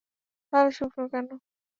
তাহলে শুকনো কেন?